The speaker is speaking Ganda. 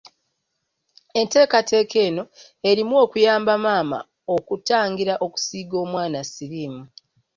Enteekateeka eno erimu okuyamba maama okutangira okusiiga omwana siriimu.